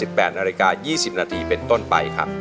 ๘นาฬิกา๒๐นาทีเป็นต้นไปครับ